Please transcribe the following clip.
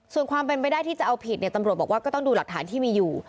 ส่วนความเป็นไปได้ที่จะเอาผิดเนี่ยตำรวจบอกว่าก็ต้องดูหลักฐานที่มีอยู่